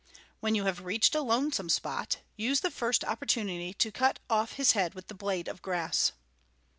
When you have reached a lonesome spot, use the first opportunity to cut off his head with the blade of grass."